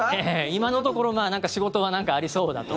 今のところ仕事が何かありそうだと。